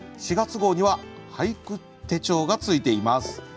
４月号には「俳句手帖」がついています。